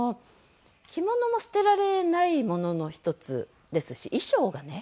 着物も捨てられないものの１つですし衣装がね